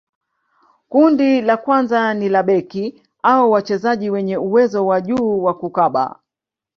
kundi la kwanza ni la beki au wachezaji wenye uwezo wa juu wa kukaba